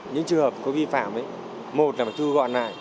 những trường hợp có vi phạm một là phải thu gọn lại